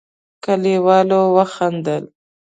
کليوالو وخندل.